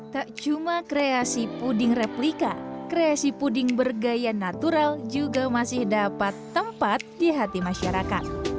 tak cuma kreasi puding replika kreasi puding bergaya natural juga masih dapat tempat di hati masyarakat